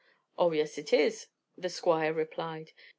"Oh, yes, it is," the Squire replied.